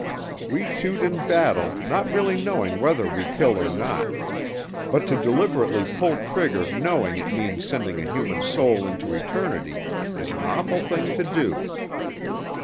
We shoot in battle not really knowing whether we kill or not, but to deliberately pull trigger knowing it means sending a human soul into eternity is an awful thing to do.